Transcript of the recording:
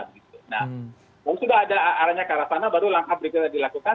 kalau sudah ada arahnya ke arah sana baru langkah berikutnya dilakukan